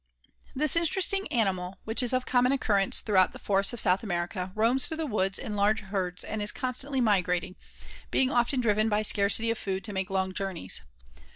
] This interesting animal, which is of common occurrence throughout the forests of South America, roams through the woods in large herds and is constantly migrating, being often driven by scarcity of food to make long journeys.